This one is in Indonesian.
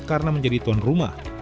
karena menjadi tuan rumah